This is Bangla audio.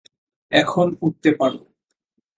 এখন উঠতে পার।